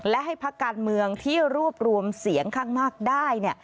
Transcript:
และให้พักการเมืองที่รวบรวมเสียงข้างมากได้